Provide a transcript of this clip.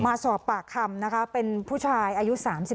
มาสอบปากคำนะคะเป็นผู้ชาย